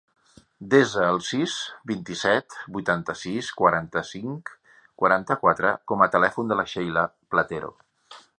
Desa el sis, vint-i-set, vuitanta-sis, quaranta-cinc, quaranta-quatre com a telèfon de la Sheila Platero.